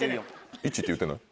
１って言ってない？